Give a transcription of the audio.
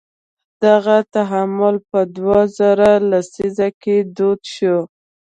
دغه تعامل په دوه زره لسیزه کې دود شو.